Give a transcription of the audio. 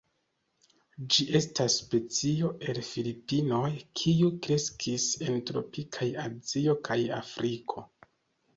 Ĝi estas specio el Filipinoj, kiu kreskis en tropikaj Azio kaj Afriko.